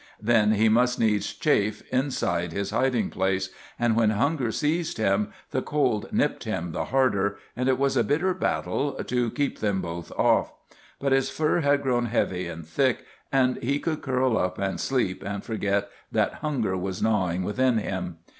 Then he must needs chafe inside his hiding place, and when hunger seized him the cold nipped him the harder, and it was a bitter battle to keep them both off. But his fur had grown heavy and thick, and he could curl up and sleep and forget that hunger was gnawing within him.